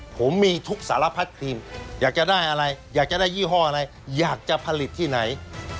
ผมมีทุกสารพัดครีมอยากจะได้อะไรอยากจะได้ยี่ห้ออะไรอยากจะผลิตที่ไหน